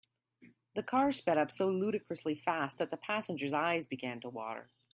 The car sped up so ludicrously fast that the passengers eyes began to water.